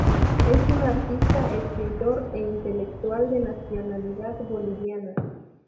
Es un artista, escritor e intelectual de nacionalidad boliviana.